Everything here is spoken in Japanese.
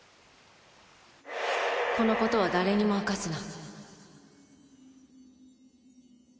このことは誰にも明かすな。